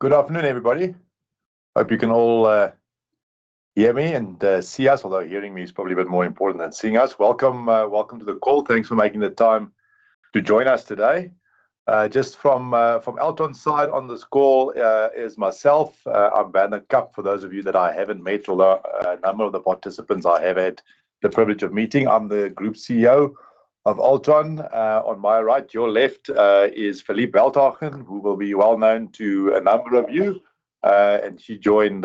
Good afternoon, everybody. Hope you can all hear me and see us, although hearing me is probably a bit more important than seeing us. Welcome, welcome to the call. Thanks for making the time to join us today. Just from Altron's side on this call, is myself, I'm Werner Kapp, for those of you that I haven't met, although a number of the participants I have had the privilege of meeting. I'm the Group Chief Executive Officer of Altron. On my right, your left, is Philippe Welthagen, who will be well known to a number of you. She joined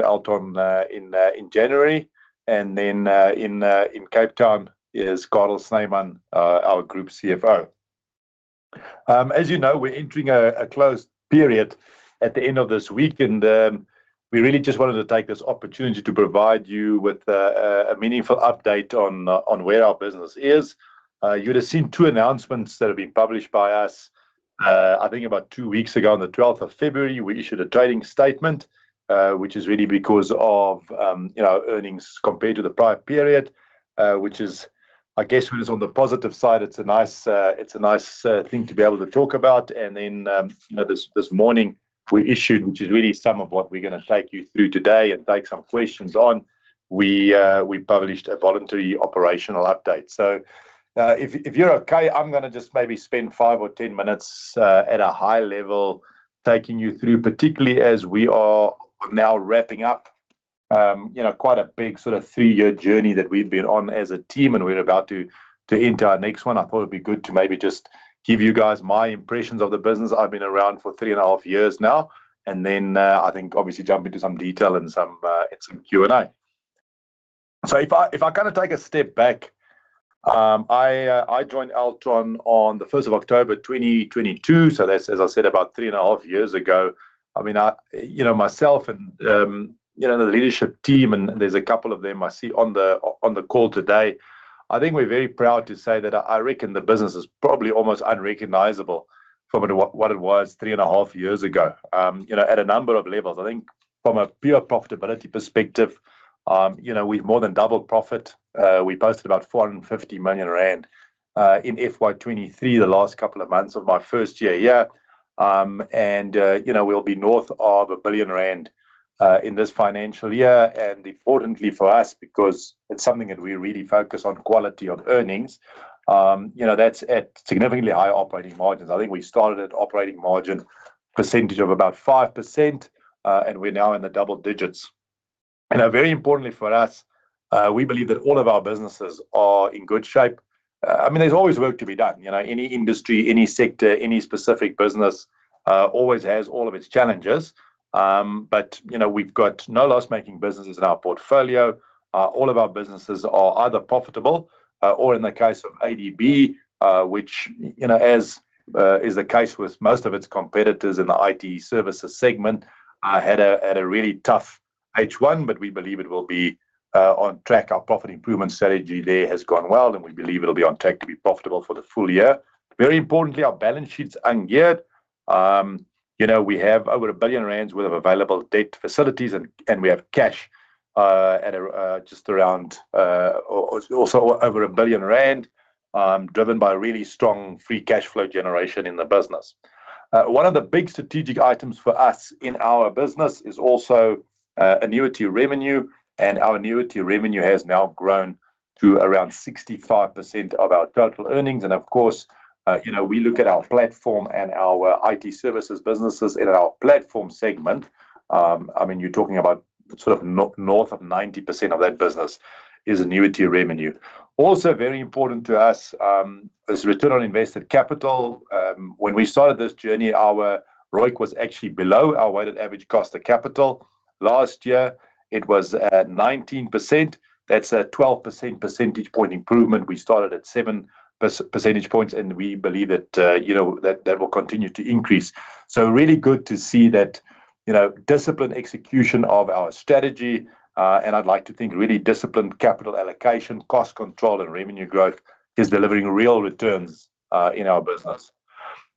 Altron, in January, and then, in Cape Town is Carel Snyman, our Group CFO. As you know, we're entering a close period at the end of this week, we really just wanted to take this opportunity to provide you with a meaningful update on where our business is. You'd have seen two announcements that have been published by us. I think about two weeks ago, on the 12th of February 2026, we issued a trading statement, which is really because of, you know, earnings compared to the prior period, which is, I guess, it is on the positive side. It's a nice thing to be able to talk about. you know, this morning we issued, which is really some of what we're gonna take you through today and take some questions on. We published a voluntary operational update. If, if you're okay, I'm gonna just maybe spend five or 10 minutes at a high level, taking you through, particularly as we are now wrapping up, you know, quite a big sort of three-year journey that we've been on as a team, and we're about to enter our next one. I thought it'd be good to maybe just give you guys my impressions of the business. I've been around for three and a half years now, and then, I think obviously jump into some detail and some Q&A. If I kind of take a step back, I joined Altron on the 1st of October, 2022. That's, as I said, about three and a half years ago.. You know, myself and, you know, the leadership team, and there's a couple of them I see on the call today. I think we're very proud to say that I reckon the business is probably almost unrecognizable from what it was 3.5 years ago. You know, at a number of levels. I think from a pure profitability perspective, you know, we've more than doubled profit. We posted about 450 million rand in FY 2023, the last couple of months of my first year here. You know, we'll be north of 1 billion rand in this financial year, and importantly for us, because it's something that we really focus on, quality of earnings. You know, that's at significantly higher operating margins. I think we started at operating margin percentage of about 5%, and we're now in the double digits. Very importantly for us, we believe that all of our businesses are in good shape. I mean, there's always work to be done. You know, any industry, any sector, any specific business, always has all of its challenges. You know, we've got no loss-making businesses in our portfolio. All of our businesses are either profitable, or in the case of ADB, which, you know, as is the case with most of its competitors in the IT services segment, had a really tough H1, but we believe it will be on track. Our profit improvement strategy there has gone well, and we believe it'll be on track to be profitable for the full year. Very importantly, our balance sheet's ungeared. you know, we have over 1 billion rand worth of available debt facilities, we have cash just around or also over 1 billion rand, driven by really strong free cash flow generation in the business. One of the big strategic items for us in our business is also annuity revenue, and our annuity revenue has now grown to around 65% of our total earnings. Of course, you know, we look at our platform and our IT services businesses in our platform segment. I mean, you're talking about sort of north of 90% of that business is annuity revenue. Also very important to us is return on invested capital. When we started this journey, our ROIC was actually below our weighted average cost of capital. Last year, it was at 19%. That's a 12 percentage point improvement. We started at 7 percentage points, and we believe that, you know, that that will continue to increase. Really good to see that, you know, disciplined execution of our strategy, and I'd like to think really disciplined capital allocation, cost control, and revenue growth is delivering real returns in our business.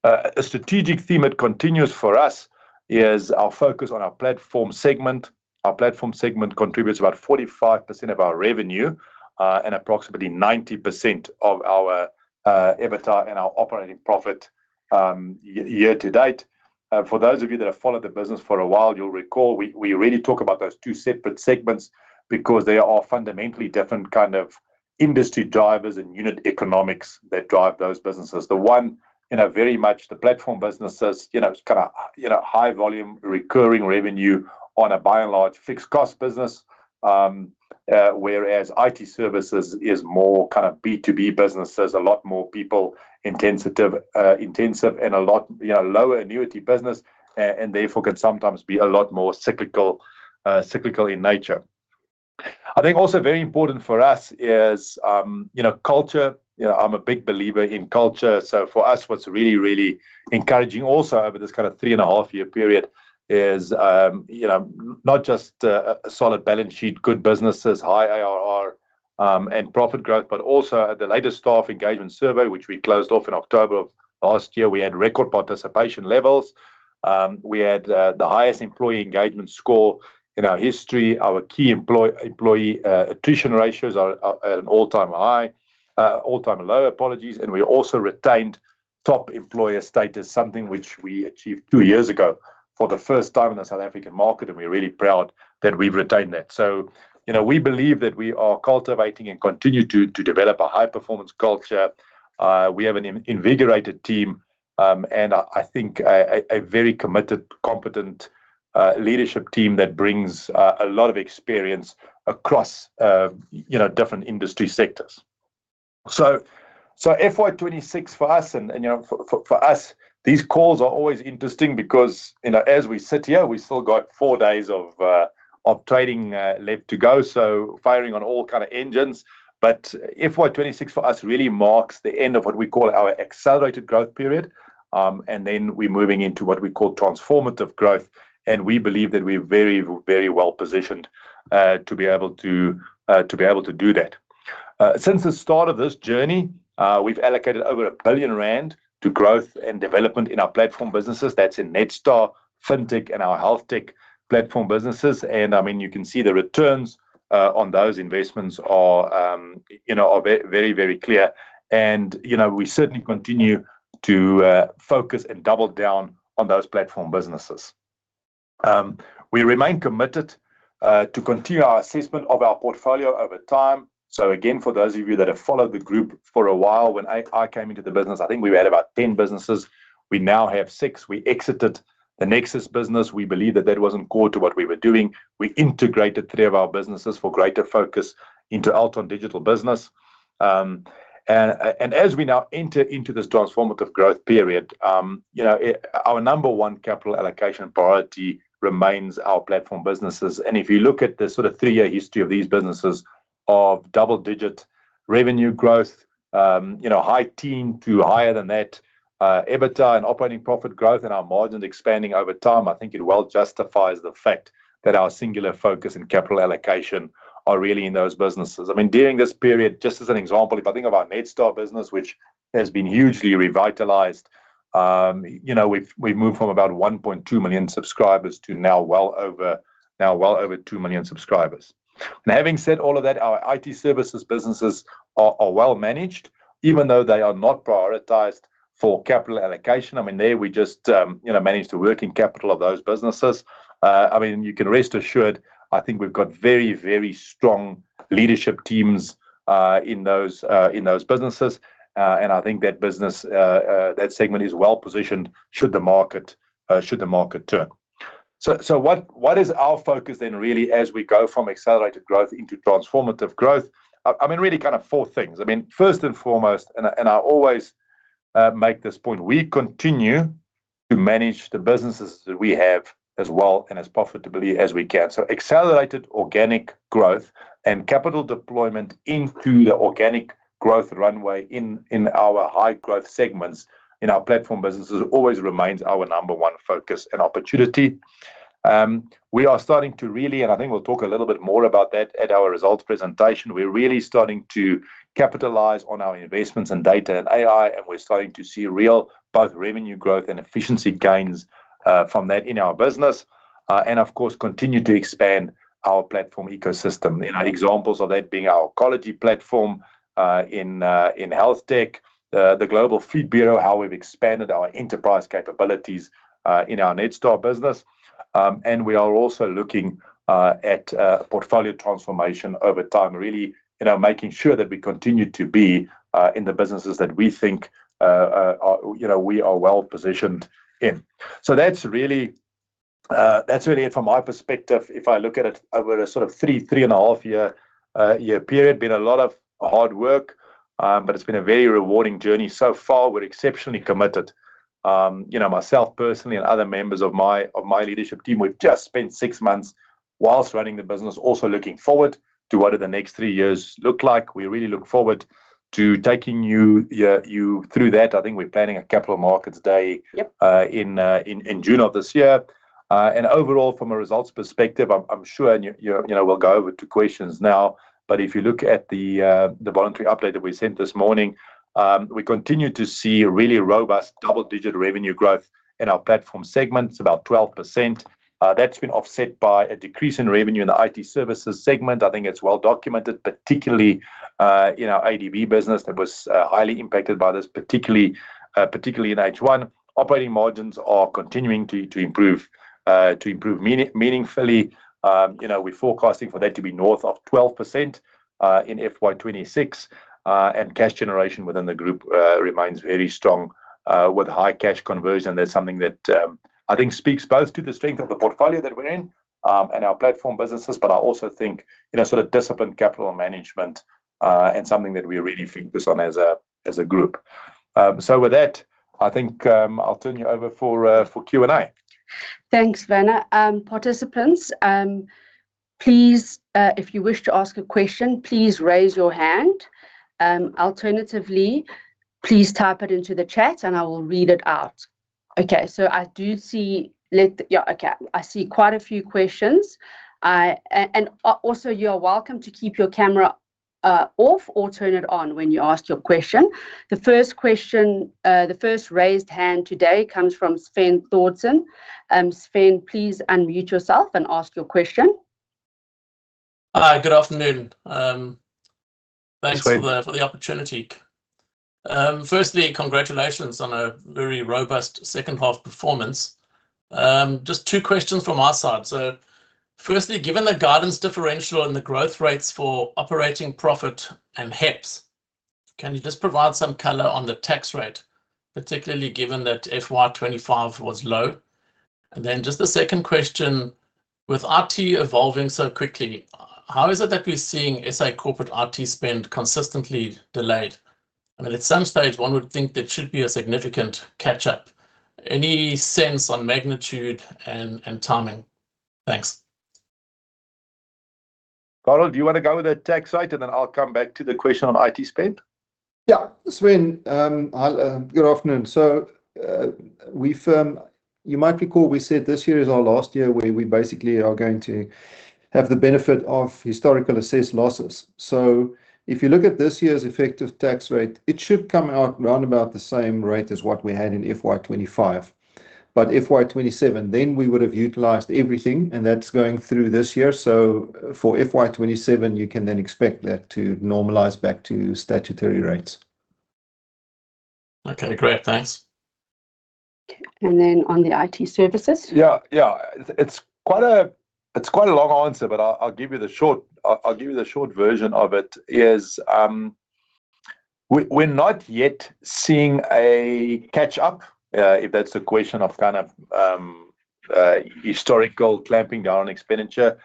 A strategic theme that continues for us is our focus on our platform segment. Our platform segment contributes about 45% of our revenue, and approximately 90% of our EBITDA and our operating profit year to date. For those of you that have followed the business for a while, you'll recall we really talk about those two separate segments because they are fundamentally different kind of industry drivers and unit economics that drive those businesses. The one, you know, very much the Platform businesses, you know, it's kind of, you know, high volume, recurring revenue on a by and large, fixed cost business. whereas IT Services is more kind of B2B businesses, a lot more people intensive and a lot, you know, lower annuity business and therefore, can sometimes be a lot more cyclical in nature. I think also very important for us is, you know, culture. You know, I'm a big believer in culture. For us, what's really, really encouraging also over this kind of three-and-a-half-year period is, you know, not just a solid balance sheet, good businesses, high ARR and profit growth, but also at the latest staff engagement survey, which we closed off in October of last year, we had record participation levels. We had the highest employee engagement score in our history. Our key employee attrition ratios are at an all-time low, apologies, and we also retained top employer status, something which we achieved two years ago for the first time in the South African market, and we're really proud that we've retained that. You know, we believe that we are cultivating and continue to develop a high-performance culture. We have an invigorated team, and I think a very committed, competent leadership team that brings a lot of experience across, you know, different industry sectors. FY 2026 for us and, you know, for us, these calls are always interesting because, you know, as we sit here, we still got four days of trading left to go, so firing on all kind of engines. FY 2026 for us really marks the end of what we call our accelerated growth period, and then we're moving into what we call transformative growth, and we believe that we're very, very well positioned to be able to do that. Since the start of this journey, we've allocated over 1 billion rand to growth and development in our Platform businesses. That's in Netstar, FinTech, and our HealthTech platform businesses. I mean, you can see the returns on those investments are, you know, very clear and, you know, we certainly continue to focus and double down on those platform businesses. We remain committed to continue our assessment of our portfolio over time. Again, for those of you that have followed the group for a while, when I came into the business, I think we had about 10 businesses. We now have six. We exited the Nexus business. We believe that wasn't core to what we were doing. We integrated three of our businesses for greater focus into Altron Digital Business. As we now enter into this transformative growth period, you know, our number one capital allocation priority remains our Platform businesses. If you look at the sort of three-year history of these businesses of double-digit revenue growth, you know, high teen to higher than that, EBITDA and operating profit growth and our margins expanding over time, I think it well justifies the fact that our singular focus in capital allocation are really in those businesses. I mean, during this period, just as an example, if I think of our Netstar business, which has been hugely revitalized, you know, we've moved from about 1.2 million subscribers to now well over 2 million subscribers. Having said all of that, our IT Services businesses are well managed, even though they are not prioritized for capital allocation. I mean there we just manage the working capital of those businesses. I mean, you can rest assured, I think we've got very, very strong leadership teams, in those businesses. I think that business, that segment is well positioned, should the market turn. What is our focus then, really, as we go from accelerated growth into transformative growth? I mean, really kind of four things. I mean first and foremost, and I always make this point, we continue to manage the businesses that we have as well and as profitably as we can. Accelerated organic growth and capital deployment into the organic growth runway in our high-growth segments, in our platform businesses, always remains our number one focus and opportunity. We are starting to really, and I think we'll talk a little bit more about that at our results presentation, we're really starting to capitalize on our investments in data and AI. We're starting to see real, both revenue growth and efficiency gains from that in our business. Of course, continue to expand our platform ecosystem. You know, examples of that being our quality platform in HealthTech, the Global Fleet Bureau, how we've expanded our enterprise capabilities in our Netstar business. We are also looking at portfolio transformation over time, really, you know, making sure that we continue to be in the businesses that we think are, you know, we are well positioned in. That's really it from my perspective. If I look at it over a sort of three and a half year period, been a lot of hard work, but it's been a very rewarding journey so far. We're exceptionally committed. You know, myself personally and other members of my leadership team, we've just spent six months whilst running the business, also looking forward to what are the next three years look like. We really look forward to taking you through that. I think we're planning a Capital Markets Day in June of this year. Overall, from a results perspective, I'm sure, and you know, we'll go over to questions now, but if you look at the voluntary update that we sent this morning, we continue to see really robust double-digit revenue growth in our Platform segments, about 12%. That's been offset by a decrease in revenue in the IT Services segment. I think it's well documented, particularly in our ADB business that was highly impacted by this, particularly in H1. Operating margins are continuing to improve meaningfully. You know, we're forecasting for that to be north of 12% in FY 2026, and cash generation within the group remains very strong with high cash conversion. That's something that, I think speaks both to the strength of the portfolio that we're in, and our platform businesses, but I also think, you know, sort of disciplined capital management, and something that we really focus on as a, as a group. With that, I think, I'll turn you over for Q&A. Thanks, Werner. Participants, please, if you wish to ask a question, please raise your hand. Alternatively, please type it into the chat, and I will read it out. Okay, I do see, Yeah, okay. I see quite a few questions. Also, you are welcome to keep your camera off or turn it on when you ask your question. The first question, the first raised hand today comes from Sven Thordsen. Sven, please unmute yourself and ask your question. Hi, good afternoon. thanks for the opportunity. Firstly, congratulations on a very robust second half performance. Just two questions from our side. Firstly, given the guidance differential and the growth rates for operating profit and HEPS, can you just provide some color on the tax rate, particularly given that FY 2025 was low? Just the second question: with IT evolving so quickly, how is it that we're seeing SA corporate IT spend consistently delayed? I mean, at some stage, one would think there should be a significant catch-up. Any sense on magnitude and timing? Thanks. Carel, do you want to go with the tax rate, and then I'll come back to the question on IT spend? Sven, hi, good afternoon. You might recall we said this year is our last year, where we basically are going to have the benefit of historical assessed losses. If you look at this year's effective tax rate, it should come out round about the same rate as what we had in FY 2025. FY 2027, we would have utilized everything, and that's going through this year. For FY 2027, you can expect that to normalize back to statutory rates. Okay, great. Thanks. On the IT Services. Yeah. It's quite a long answer, but I'll give you the short version of it is, we're not yet seeing a catch up, if that's the question of kind of historical clamping down on expenditure.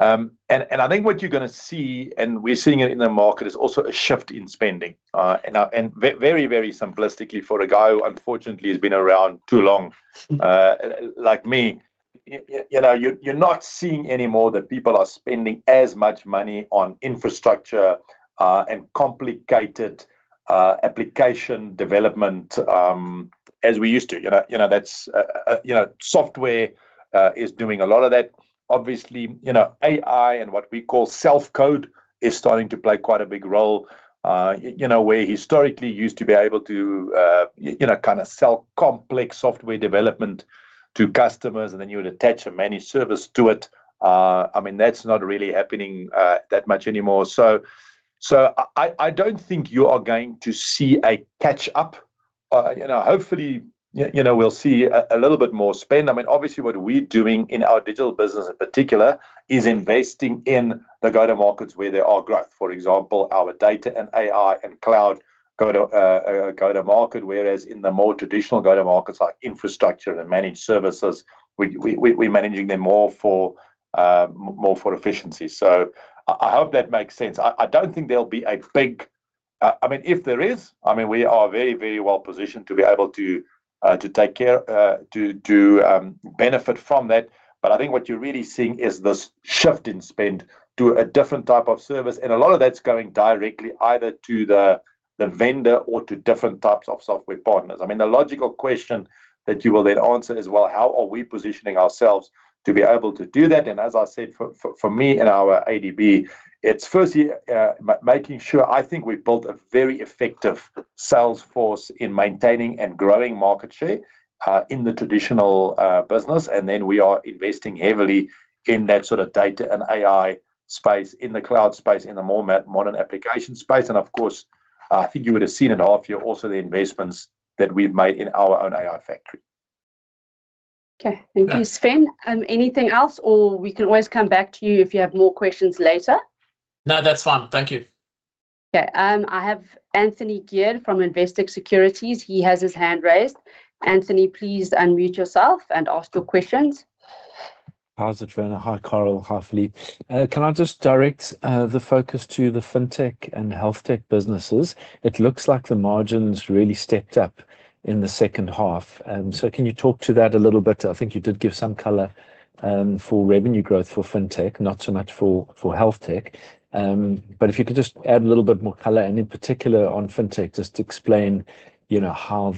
I think what you're gonna see, and we're seeing it in the market, is also a shift in spending. Now, very, very simplistically, for a guy who unfortunately has been around too long, like me, you know, you're not seeing anymore that people are spending as much money on infrastructure, and complicated application development, as we used to. You know, that's, you know, software is doing a lot of that. You know, AI and what we call self-code is starting to play quite a big role, you know, where historically you used to be able to, you know, kind of sell complex software development to customers, and then you would attach a managed service to it. I mean, that's not really happening that much anymore. So I don't think you are going to see a catch up. You know, hopefully, you know, we'll see a little bit more spend. I mean, obviously, what we're doing in our digital business in particular, is investing in the go-to markets where there are growth. For example, our data and AI and cloud go to a go-to market, whereas in the more traditional go-to markets like infrastructure and managed services, we're managing them more for more for efficiency. I hope that makes sense. I don't think there'll be a big. I mean, if there is, I mean, we are very, very well positioned to be able to take care to benefit from that. I think what you're really seeing is this shift in spend to a different type of service, and a lot of that's going directly either to the vendor or to different types of software partners. I mean, the logical question that you will then answer is, well, how are we positioning ourselves to be able to do that? As I said, for me and our ADB, it's firstly, making sure I think we built a very effective sales force in maintaining and growing market share in the traditional business, and then we are investing heavily in that sort of data and AI space, in the cloud space, in the more modern application space. Of course, I think you would have seen at half year also the investments that we've made in our own AI Factory. Okay. Thank you, Sven. Anything else? We can always come back to you if you have more questions later. No, that's fine. Thank you. Okay, I have Anthony Geard from Investec Securities. He has his hand raised. Anthony, please unmute yourself and ask your questions. How is it going? Hi, Carel. Hi, Philippe. Can I just direct the focus to the FinTech and HealthTech businesses? It looks like the margins really stepped up in the second half. Can you talk to that a little bit? I think you did give some color, for revenue growth for FinTech, not so much for HealthTech. If you could just add a little bit more color, and in particular on FinTech, just explain, you know, how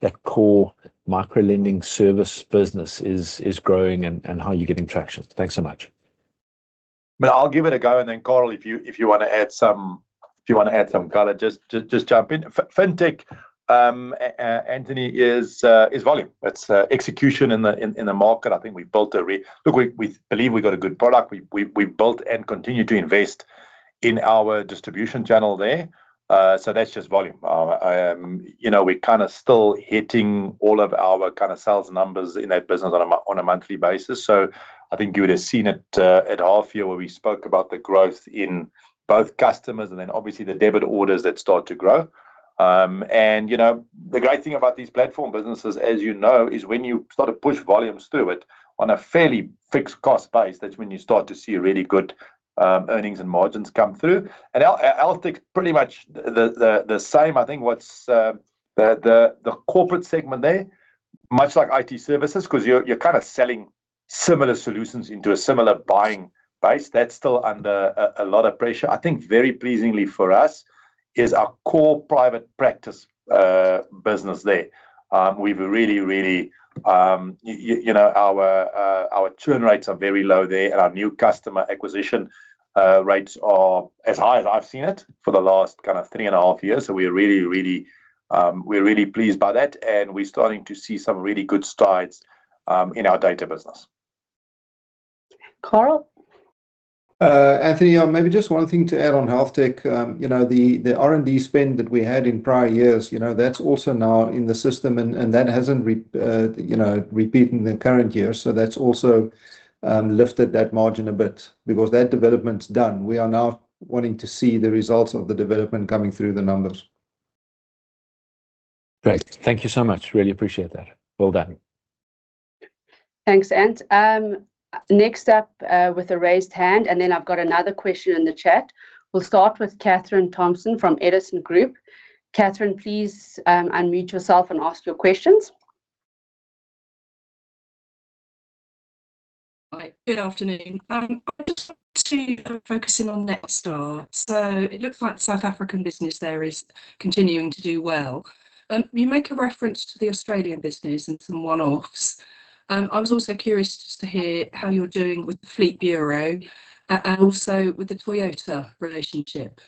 that core micro-lending service business is growing and how you're getting traction. Thanks so much. Well, I'll give it a go, and then, Carel, if you want to add some color, just jump in. FinTech, Anthony, is volume. It's execution in the market. Look, we believe we've got a good product. We've built and continue to invest in our distribution channel there. That's just volume. You know, we're kind of still hitting all of our kind of sales numbers in that business on a monthly basis. I think you would have seen it at half year, where we spoke about the growth in both customers and then obviously the debit orders that start to grow. You know, the great thing about these platform businesses, as you know, is when you start to push volumes through it on a fairly fixed cost base, that's when you start to see really good earnings and margins come through. Altron HealthTech, pretty much the same. I think what's the corporate segment there, much like IT services, 'cause you're kind of selling similar solutions into a similar buying base. That's still under a lot of pressure. I think very pleasingly for us is our core private practice business there. We've really, you know, our churn rates are very low there, and our new customer acquisition rates are as high as I've seen it for the last kind of three and half years. We're really, really pleased by that, and we're starting to see some really good strides in our data business. Carel? Anthony, maybe just one thing to add on HealthTech. You know, the R&D spend that we had in prior years, you know, that's also now in the system, and that hasn't, you know, repeating the current year, so that's also lifted that margin a bit because that development's done. We are now wanting to see the results of the development coming through the numbers. Great. Thank you so much. Really appreciate that. Well done. Thanks, Anthony. Next up, with a raised hand, and then I've got another question in the chat. We'll start with Katherine Thompson from Edison Group. Katherine, please, unmute yourself and ask your questions. Hi. Good afternoon. I just want to focus in on Netstar. It looks like South African business there is continuing to do well. You make a reference to the Australian business and some one-offs. I was also curious just to hear how you're doing with the Global Fleet Bureau and also with the Toyota relationship.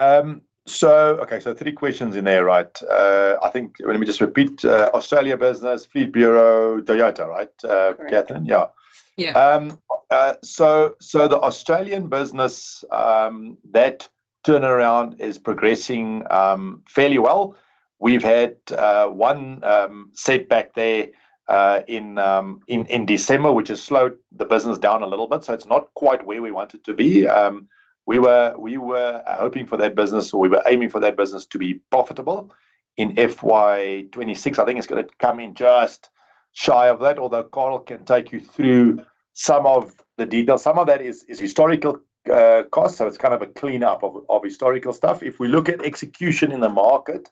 Okay, so three questions in there, right? I think let me just repeat. Australia business, Global Fleet Bureau, Toyota, right. Correct. Katherine? Yeah. Yeah. The Australian business, that turnaround is progressing fairly well. We've had one setback there in December, which has slowed the business down a little bit, so it's not quite where we want it to be. We were hoping for that business, or we were aiming for that business to be profitable in FY 2026. I think it's gonna come in just shy of that, although Carel can take you through some of the details. Some of that is historical costs, so it's kind of a cleanup of historical stuff. If we look at execution in the market,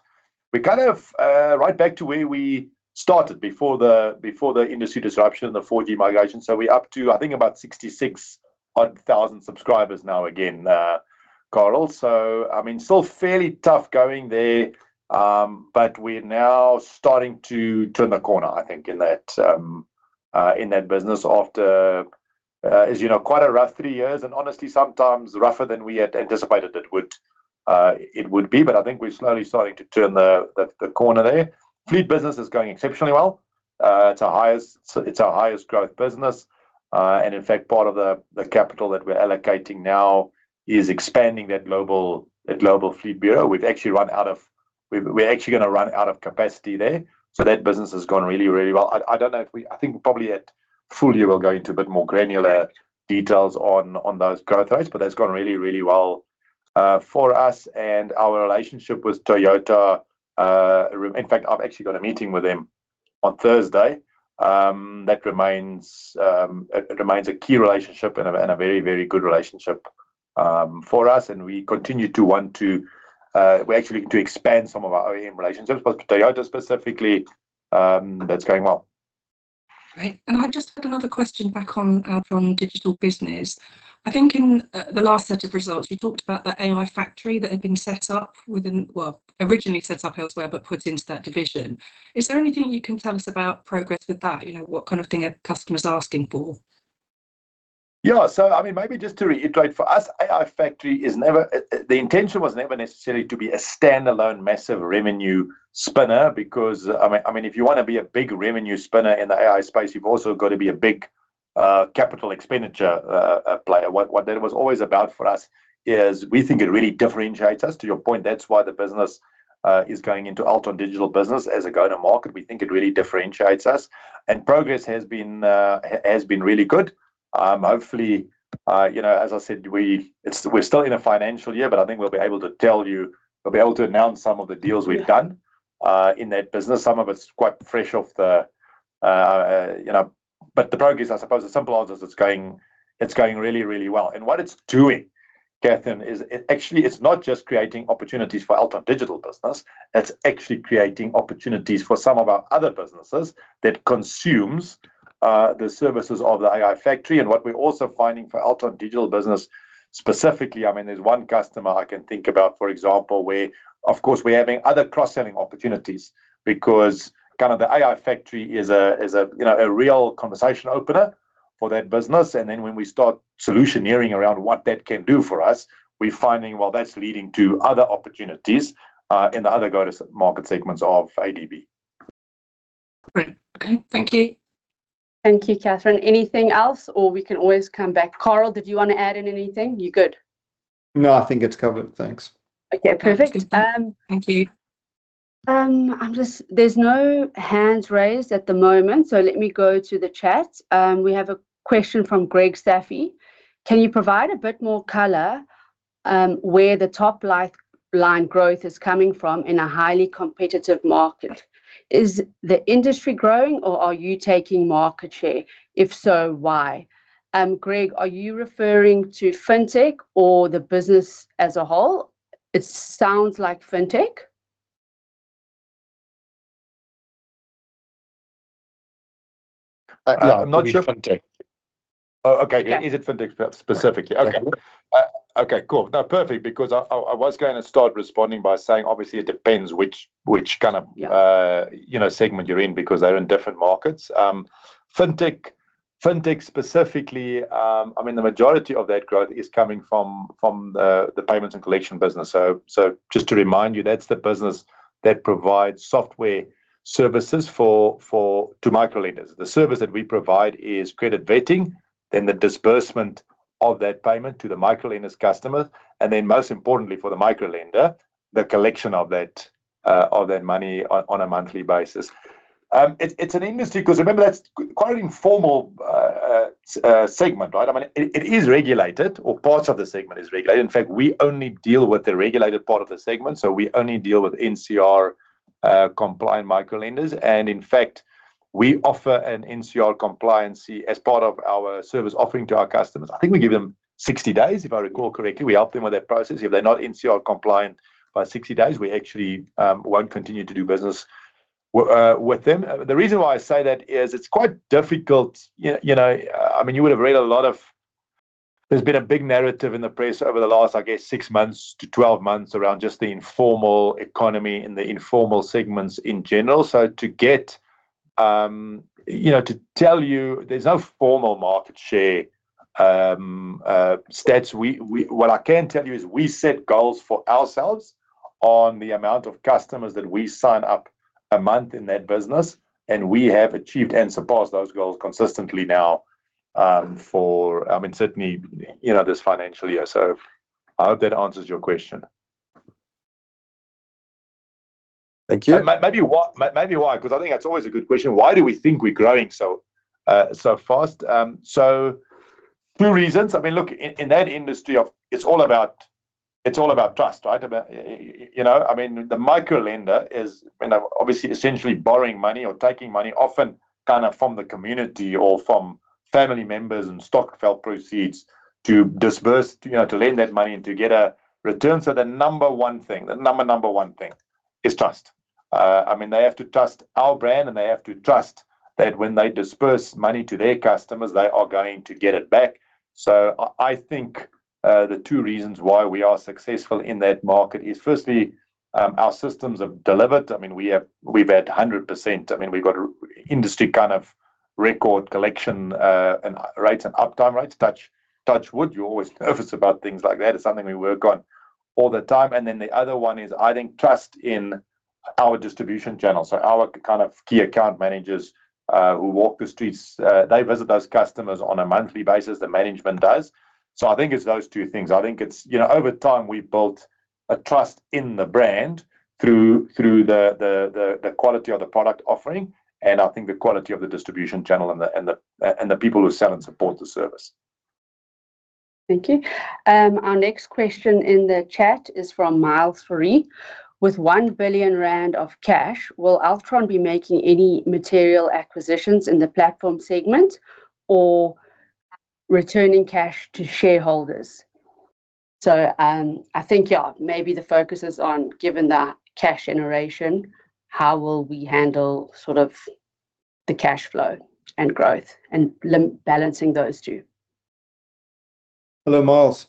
we're kind of right back to where we started before the industry disruption and the 4G migration. We're up to, I think, about 66,000 subscribers now again, Carel. I mean, still fairly tough going there, but we're now starting to turn the corner, I think, in that business after, as you know, quite a rough three years and honestly, sometimes rougher than we had anticipated it would, it would be. I think we're slowly starting to turn the corner there. Fleet business is going exceptionally well. It's our highest growth business. In fact, part of the capital that we're allocating now is expanding that Global Fleet Bureau. We've actually run out of capacity there. That business has gone really, really well. I don't know if I think probably at full year, we'll go into a bit more granular details on those growth rates, but that's gone really, really well for us. Our relationship with Toyota, in fact, I've actually got a meeting with them on Thursday. That remains, it remains a key relationship and a very, very good relationship for us, and we continue to want to, we're actually to expand some of our OEM relationships, but Toyota specifically, that's going well. Great. I just had another question back on Digital Business. I think in, the last set of results, you talked about the AI Factory that had been set up within, well, originally set up elsewhere, but put into that division. Is there anything you can tell us about progress with that? You know, what kind of thing are customers asking for? Yeah. I mean, maybe just to reiterate, for us, AI Factory is never. The intention was never necessarily to be a standalone, massive revenue spinner. I mean, if you wanna be a big revenue spinner in the AI space, you've also got to be a big capital expenditure player. What that was always about for us is we think it really differentiates us. To your point, that's why the business is going into Altron Digital Business as a go-to-market. We think it really differentiates us, and progress has been really good. Hopefully, you know, as I said, we're still in a financial year, but I think we'll be able to tell you, we'll be able to announce some of the deals we've done in that business. Some of it's quite fresh off the, you know... The progress, I suppose the simple answer is it's going really, really well. What it's doing, Katherine, is it actually, it's not just creating opportunities for Altron Digital Business, it's actually creating opportunities for some of our other businesses that consumes the services of the AI Factory. What we're also finding for Altron Digital Business specifically, I mean, there's one customer I can think about, for example, where, of course, we're having other cross-selling opportunities because kind of the AI Factory is a, is a, you know, a real conversation opener for that business. When we start solutioneering around what that can do for us, we're finding, well, that's leading to other opportunities in the other go-to-market segments of ADB. Great. Okay. Thank you. Thank you, Katherine. Anything else, or we can always come back. Carel, did you want to add in anything? You good? No, I think it's covered. Thanks. Okay, perfect. Thank you. I'm just there's no hands raised at the moment, so let me go to the chat. We have a question from Greg Staffy. "Can you provide a bit more color, where the top line growth is coming from in a highly competitive market? Is the industry growing or are you taking market share? If so, why?" Greg, are you referring to FinTech or the business as a whole? It sounds like FinTech? I'm not sure. It will be FinTech. Oh, okay. Yeah. Is it FinTech specifically? Yeah. Okay. Okay, cool. Perfect, because I was gonna start responding by saying, obviously, it depends which. You know, segment you're in, because they're in different markets. I mean, the majority of that growth is coming from the payments and collection business. Just to remind you, that's the business that provides software services for microlenders. The service that we provide is credit vetting, then the disbursement of that payment to the microlenders customer, and then, most importantly, for the microlender, the collection of that money on a monthly basis. It's an industry, 'cause remember, that's quite an informal segment, right? I mean, it is regulated, or parts of the segment is regulated. In fact, we only deal with the regulated part of the segment, so we only deal with NCR compliant microlenders. In fact, we offer an NCR compliance as part of our service offering to our customers. I think we give them 60 days, if I recall correctly. We help them with that process. If they're not NCR compliant by 60 days, we actually won't continue to do business with them. The reason why I say that is it's quite difficult, you know, I mean, you would have read a lot of. There's been a big narrative in the press over the last, I guess, six months to 12 months around just the informal economy and the informal segments in general. To get, you know, to tell you, there's no formal market share stats. What I can tell you is we set goals for ourselves on the amount of customers that we sign up a month in that business, and we have achieved and surpassed those goals consistently now, for, I mean, certainly, you know, this financial year. I hope that answers your question. Thank you. Maybe maybe why? 'Cause I think that's always a good question. Why do we think we're growing so fast? Few reasons. I mean, look, in that industry of it's all about, it's all about trust, right? About, you know, I mean, the microlender is, you know, obviously essentially borrowing money or taking money, often kind of from the community or from family members and Stokvel proceeds to disburse, you know, to lend that money and to get a return. The number one thing, the number one thing is trust. I mean, they have to trust our brand, and they have to trust that when they disburse money to their customers, they are going to get it back. I think, the two reasons why we are successful in that market is, firstly, our systems have delivered. I mean, we've had 100%. I mean, we've got a industry kind of record collection, and rates and uptime rates. Touch wood, you're always nervous about things like that. It's something we work on all the time. The other one is, I think, trust in our distribution channel. Our kind of key account managers, who walk the streets, they visit those customers on a monthly basis, the management does. I think it's those two things. I think it's, you know, over time, we've built a trust in the brand through the quality of the product offering, and I think the quality of the distribution channel and the people who sell and support the service. Thank you. Our next question in the chat is from Miles Fourie: "With 1 billion rand of cash, will Altron be making any material acquisitions in the platform segment or returning cash to shareholders?" I think, yeah, maybe the focus is on, given the cash generation, how will we handle sort of the cash flow and growth and balancing those two? Hello, Miles.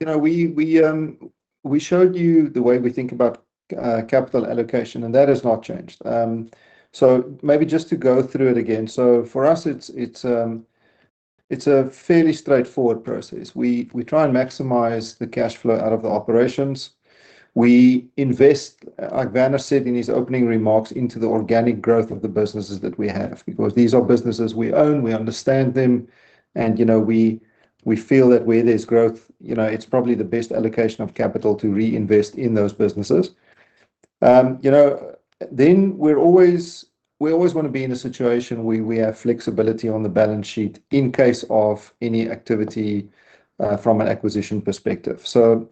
You know, we showed you the way we think about capital allocation, and that has not changed. Maybe just to go through it again. For us, it's a fairly straightforward process. We try and maximize the cash flow out of the operations. We invest, like Werner said in his opening remarks, into the organic growth of the businesses that we have, because these are businesses we own, we understand them, and, you know, we feel that where there's growth, you know, it's probably the best allocation of capital to reinvest in those businesses. You know, we always wanna be in a situation where we have flexibility on the balance sheet in case of any activity from an acquisition perspective. You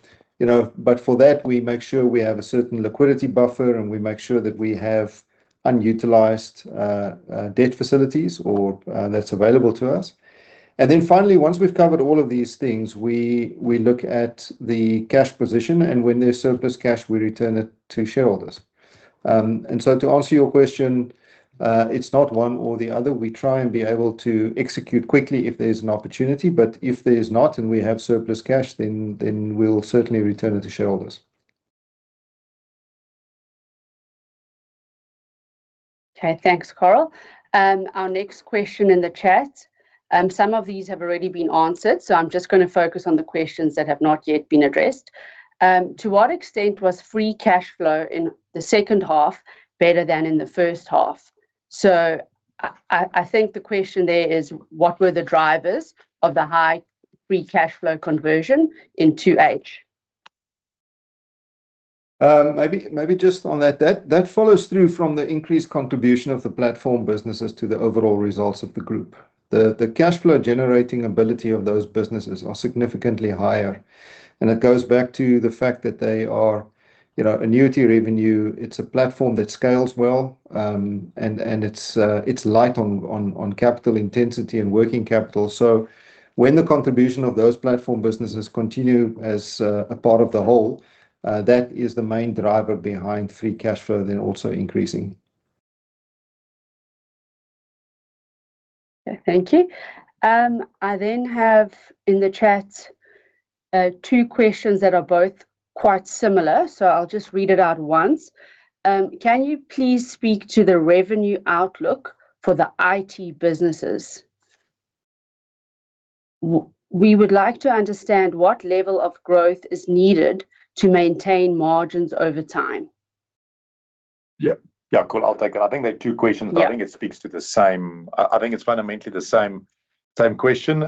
know, but for that, we make sure we have a certain liquidity buffer, and we make sure that we have unutilized debt facilities or that's available to us. Finally, once we've covered all of these things, we look at the cash position, and when there's surplus cash, we return it to shareholders. To answer your question, it's not one or the other. We try and be able to execute quickly if there's an opportunity, but if there's not and we have surplus cash, then we'll certainly return it to shareholders. Okay, thanks, Carel. Our next question in the chat, some of these have already been answered, so I'm just gonna focus on the questions that have not yet been addressed. To what extent was free cash flow in the second half better than in the first half? I think the question there is: What were the drivers of the high free cash flow conversion in 2H? Maybe just on that follows through from the increased contribution of the platform businesses to the overall results of the group. The cash flow-generating ability of those businesses are significantly higher, and it goes back to the fact that they are, you know, annuity revenue. It's a platform that scales well, and it's light on capital intensity and working capital. When the contribution of those platform businesses continue as a part of the whole, that is the main driver behind free cash flow, then also increasing. Thank you. I then have in the chat, 2 questions that are both quite similar, so I'll just read it out once. Can you please speak to the revenue outlook for the IT businesses? We would like to understand what level of growth is needed to maintain margins over time. Yeah. Yeah, cool. I'll take it. I think there are two questions- I think it speaks to the same. I think it's fundamentally the same question.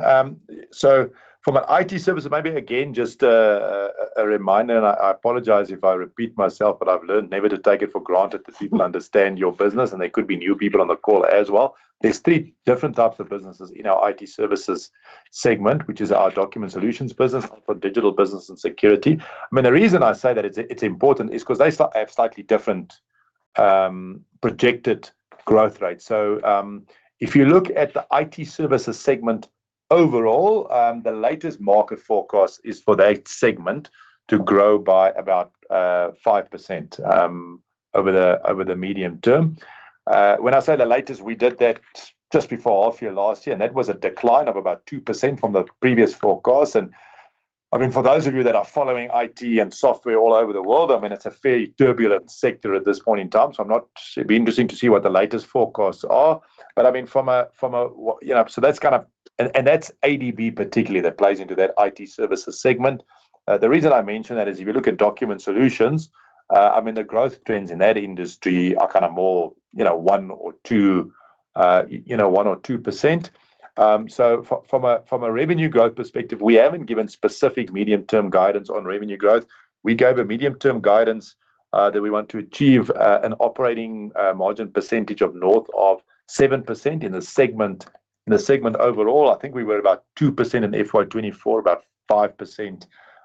From an IT Service, maybe again, just a reminder, and I apologize if I repeat myself, but I've learned never to take it for granted that people understand your business, and there could be new people on the call as well. There's three different types of businesses in our IT Services Segment, which is our Altron Document Solutions business for Altron Digital Business and Altron Security. I mean, the reason I say that it's important is 'cause they sort have slightly different projected growth rate. If you look at the IT Services Segment overall, the latest market forecast is for that segment to grow by about 5% over the medium term. When I say the latest, we did that just before half year, last year, and that was a decline of about 2% from the previous forecast. I mean, for those of you that are following IT and software all over the world, I mean, it's a fairly turbulent sector at this point in time, so it'd be interesting to see what the latest forecasts are. I mean, from a you know, so that's kind of and that's ADB particularly, that plays into that IT Services segment. The reason I mention that is if you look at Document Solutions, I mean, the growth trends in that industry are kind of more, you know, 1% or 2%. From a revenue growth perspective, we haven't given specific medium-term guidance on revenue growth. We gave a medium-term guidance that we want to achieve an operating margin percentage of north of 7% in the segment. In the segment overall, I think we were about 2% in FY 2024, about 5% in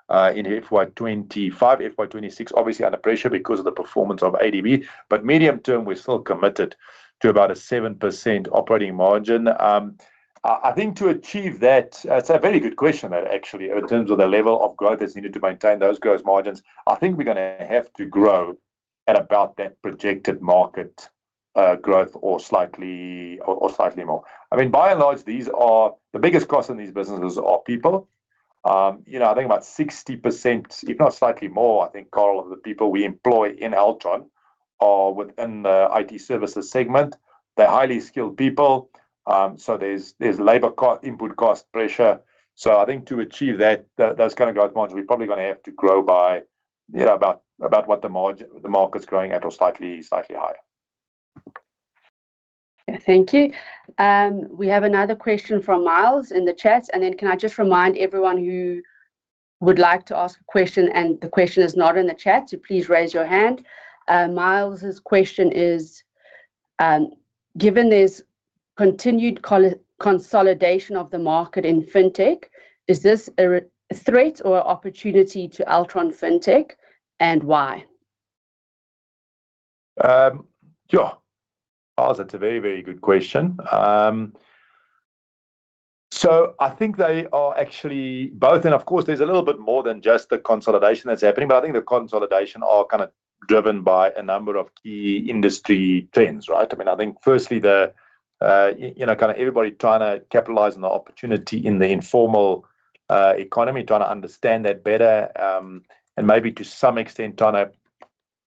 FY 2025. FY 2026, obviously under pressure because of the performance of ADB, but medium term, we're still committed to about a 7% operating margin. I think to achieve that, it's a very good question, actually, in terms of the level of growth that's needed to maintain those growth margins. I think we're gonna have to grow at about that projected market growth or slightly more. I mean, by and large, these are... The biggest cost in these businesses are people. You know, I think about 60%, if not slightly more, I think, Carel, of the people we employ in Altron are within the IT Services segment. They're highly skilled people, so there's labor cost, input cost pressure. I think to achieve that, those kind of growth margins, we're probably gonna have to grow by, you know, about what the market's growing at or slightly higher. Yeah. Thank you. We have another question from Miles in the chat, then can I just remind everyone who would like to ask a question, and the question is not in the chat, to please raise your hand. Miles's question is: Given this continued consolidation of the market in FinTech, is this a threat or opportunity to Altron FinTech, and why? Yeah. Miles, that's a very, very good question. I think they are actually both, and of course, there's a little bit more than just the consolidation that's happening, but I think the consolidation are kind of driven by a number of key industry trends, right? I mean, I think firstly, the, you know, kind of everybody trying to capitalize on the opportunity in the informal economy, trying to understand that better, and maybe to some extent, trying to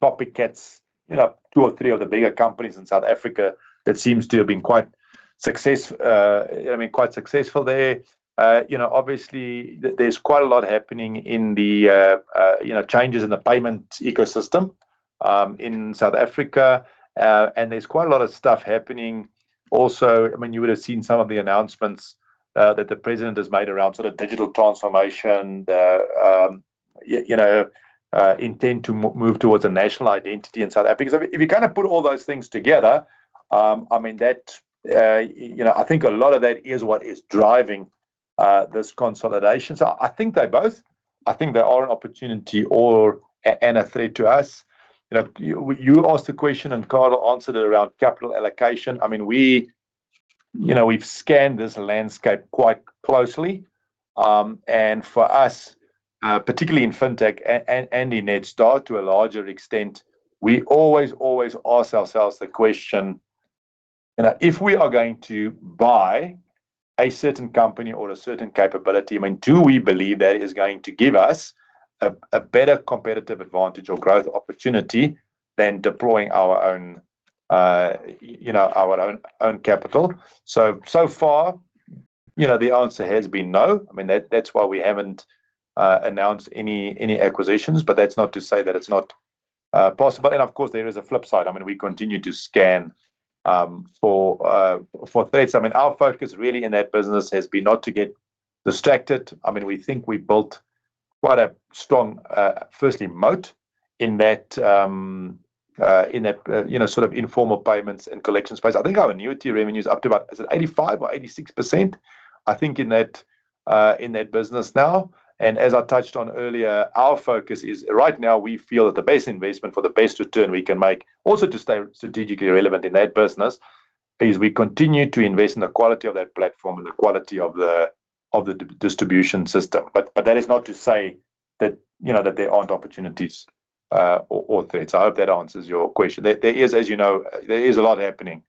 pop it gets, you know, two or three of the bigger companies in South Africa that seems to have been quite successful, I mean, quite successful there. You know, obviously, there's quite a lot happening in the, you know, changes in the payment ecosystem, in South Africa. There's quite a lot of stuff happening also... I mean, you would have seen some of the announcements that the president has made around sort of digital transformation, the you know, intent to move towards a national identity in South Africa. If, if you kind of put all those things together, I mean, that, you know, I think a lot of that is what is driving this consolidation. I think they're both, I think they are an opportunity or, and a threat to us. You know, you asked the question, and Carel answered it around capital allocation. I mean, we, you know, we've scanned this landscape quite closely. For us, particularly in FinTech and in Netstar, to a larger extent, we always ask ourselves the question, you know, if we are going to buy a certain company or a certain capability, I mean, do we believe that is going to give us a better competitive advantage or growth opportunity than deploying our own, you know, our own capital? So far, you know, the answer has been no. I mean, that's why we haven't announced any acquisitions, but that's not to say that it's not possible. Of course, there is a flip side. I mean, we continue to scan for threats. I mean, our focus really in that business has been not to get distracted. I mean, we think we built quite a strong, firstly, moat in that, in that, you know, sort of informal payments and collections space. I think our annuity revenue is up to about, is it 85% or 86%, I think in that business now. As I touched on earlier, our focus is, right now, we feel that the best investment for the best return we can make, also to stay strategically relevant in that business, is we continue to invest in the quality of that platform and the quality of the distribution system. That is not to say that, you know, that there aren't opportunities. Or three. I hope that answers your question. There is, as you know, there is a lot happening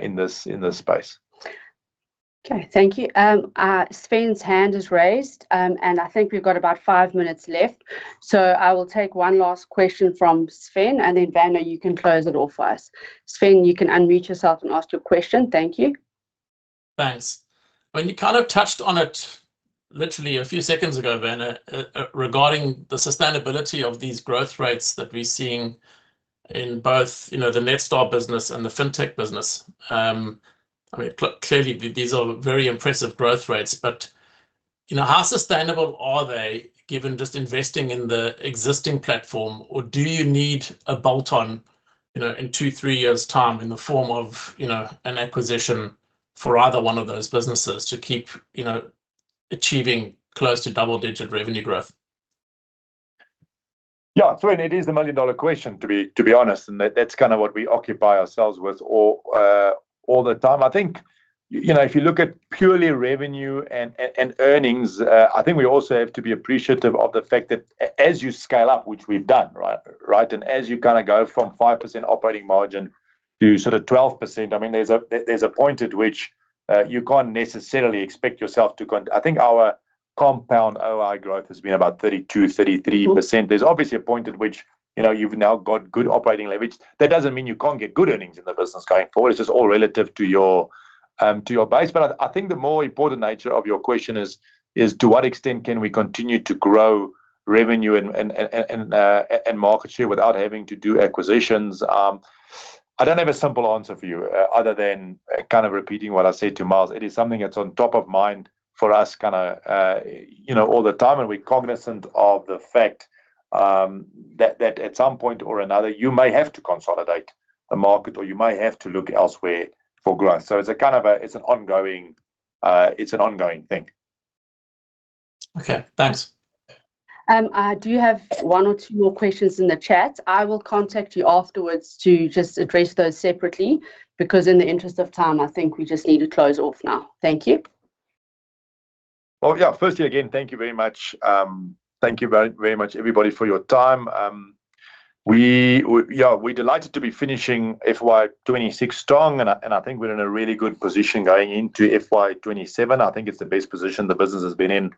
in this space. Okay, thank you. Sven's hand is raised, and I think we've got about five minutes left, so I will take one last question from Sven, and then, Werner, you can close it off for us. Sven, you can unmute yourself and ask your question. Thank you. Thanks. Well, you kind of touched on it literally a few seconds ago, Werner, regarding the sustainability of these growth rates that we're seeing in both, you know, the Netstar business and the FinTech business. I mean, clearly, these are very impressive growth rates, but, you know, how sustainable are they, given just investing in the existing platform? Or do you need a bolt-on, you know, in two, three years' time in the form of, you know, an acquisition for either one of those businesses to keep, you know, achieving close to double-digit revenue growth? Yeah. Sven, it is the million-dollar question, to be honest, and that's kinda what we occupy ourselves with all the time. I think, you know, if you look at purely revenue and earnings, I think we also have to be appreciative of the fact that as you scale up, which we've done, right? Right, as you kinda go from 5% operating margin to sort of 12%, I mean, there's a point at which you can't necessarily expect yourself to. I think our compound OI growth has been about 32%-33%. There's obviously a point at which, you know, you've now got good operating leverage. That doesn't mean you can't get good earnings in the business going forward. It's just all relative to your to your base. I think the more important nature of your question is: to what extent can we continue to grow revenue and market share without having to do acquisitions? I don't have a simple answer for you other than kind of repeating what I said to Miles. It is something that's on top of mind for us, kinda, you know, all the time, and we're cognizant of the fact that at some point or another, you may have to consolidate the market, or you may have to look elsewhere for growth. It's a kind of a, it's an ongoing, it's an ongoing thing. Okay, thanks. I do you have one or two more questions in the chat. I will contact you afterwards to just address those separately. In the interest of time, I think I just need to close off now. Thank you. Well, yeah, firstly, again, thank you very much. Thank you very much, everybody, for your time. We're delighted to be finishing FY 2026 strong, and I think we're in a really good position going into FY 2027. I think it's the best position the business has been in,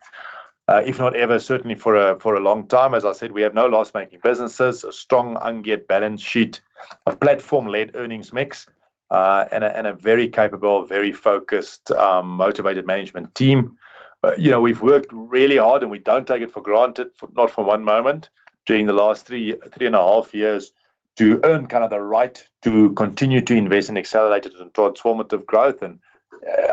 if not ever, certainly for a long time. As I said, we have no loss-making businesses, a strong ungeared balance sheet, a platform-led earnings mix, and a very capable, very focused, motivated management team. You know, we've worked really hard, and we don't take it for granted, not for one moment, during the last 3.5 years, to earn kind of the right to continue to invest in accelerated and transformative growth.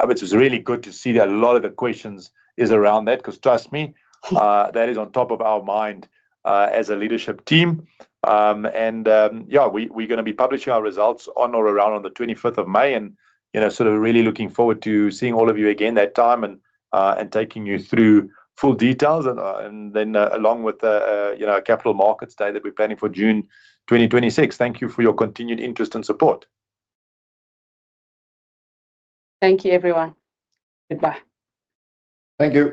Which is really good to see that a lot of the questions is around that, 'cause trust me, that is on top of our mind as a leadership team. Yeah, we're gonna be publishing our results on or around on the 25th of May 2026, you know, sort of really looking forward to seeing all of you again that time and taking you through full details. Then, along with the, you know, our Capital Markets Day that we're planning for June 2026. Thank you for your continued interest and support. Thank you, everyone. Goodbye. Thank you.